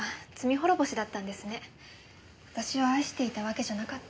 私を愛していたわけじゃなかった。